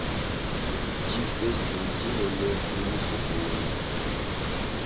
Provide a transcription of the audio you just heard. Ndifesto dinene mu musoko wetu.